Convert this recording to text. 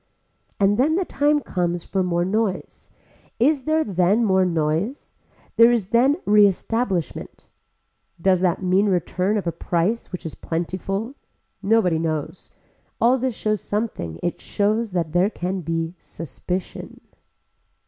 And then the time comes for more noise. Is there then more noise. There is then reestablishment. Does that mean return of a price which is plentiful. Nobody knows. All this shows something it shows that there can be suspicion.